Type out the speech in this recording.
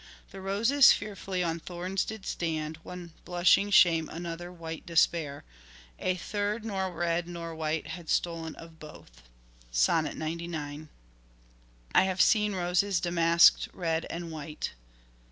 The roses fearfully on thorns did stand, One blushing shame, another white despair, A third, nor red nor white had stol'n of both." (Sonnet 99.) "I have seen roses damask'd red and white.